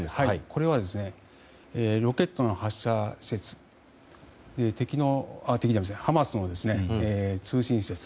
これはロケットの発射施設ハマスの通信施設。